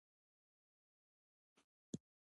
د دعا قبولیت په اخلاص کې دی.